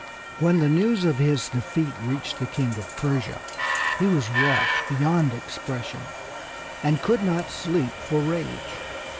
When the news of his defeat reached the King of Persia he was wroth beyond expression, and could not sleep for rage.